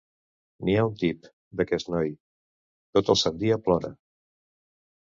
N'hi ha un tip, d'aquest noi: tot el sant dia plora.